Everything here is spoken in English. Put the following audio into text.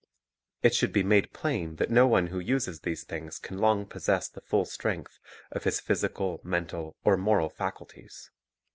It should be made plain that no one who uses these things can long pos sess the full strength of his physical, mental, or moral faculties.